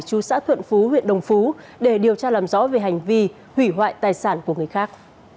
chú xã thuận phú huyện đồng phú để điều tra làm rõ về hành vi hủy hoại tài sản của người khác